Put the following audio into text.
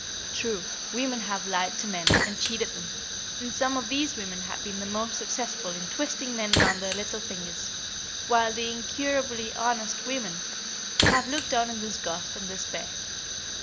True, women have lied to men and cheated them, and some of these women have been the most successful in twisting men round their little fingers, while the incurably honest women have looked on in disgust and despair.